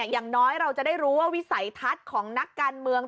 อย่างน้อยเราจะได้รู้ว่าวิสัยทัศน์ของนักการเมือง